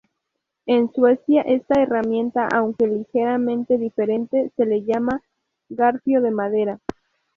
En Suecia, esta herramienta, aunque ligeramente diferente, se le llama "garfio de madera".